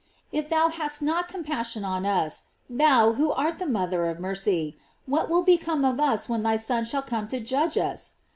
If thou hast not compassion on us, thou who art the mother of mercy, what will become of us when thy Son shall come to judge us?